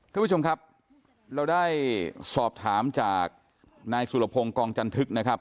ท่านผู้ชมครับเราได้สอบถามจากนายสุรพงศ์กองจันทึกนะครับ